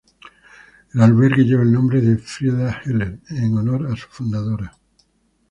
El albergue lleva el nombre de Frieda Heller en honor a su fundadora.